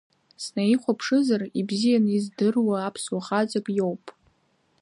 Снаихәаԥшызар, ибзиан издыруа аԥсуа хаҵак иоуп.